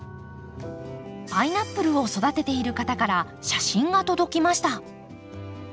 パイナップルを育てている方から写真が届きました。